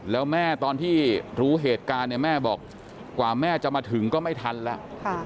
แล้วแม่ตอนที่รู้เหตุการณ์เนี่ยแม่บอกกว่าแม่จะมาถึงก็ไม่ทันแล้ว